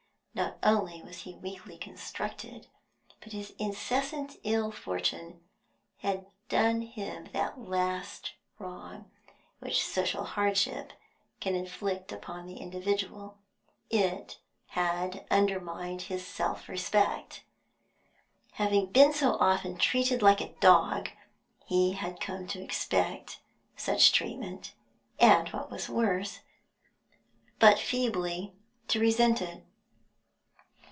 Not only was he weakly constructed, but his incessant ill fortune had done him that last wrong which social hardship can inflict upon the individual, it, had undermined his self respect. Having been so often treated like a dog, he had come to expect such treatment, and, what was worse, but feebly to resent it.